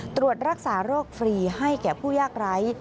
ตรวจรักษาโรคฟรีให้แก่ผู้ยากไร้